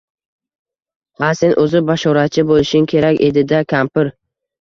Ha, sen o`zi bashoratchi bo`lishing kerak edi-da kampir